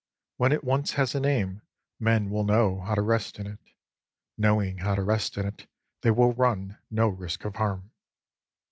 When it once has a name, men will know how to rest in it. Knowing how to rest in it, they will run no risk of harm.